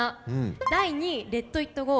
第２位『レット・イット・ゴー』。